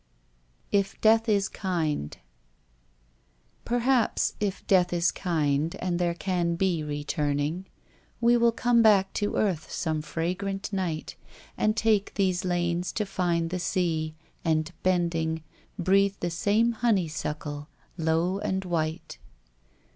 If Death Is Kind Perhaps if Death is kind, and there can be returning, We will come back to earth some fragrant night, And take these lanes to find the sea, and bending Breathe the same honeysuckle, low and white.